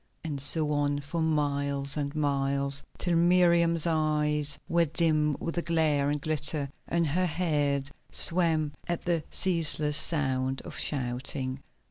And so on for miles and miles, till Miriam's eyes were dim with the glare and glitter, and her head swam at the ceaseless sound of shouting.